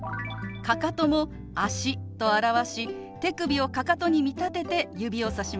かかとも「足」と表し手首をかかとに見立てて指をさします。